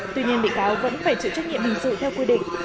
tuy nhiên bị cáo vẫn phải chịu trách nhiệm hình sự theo quy định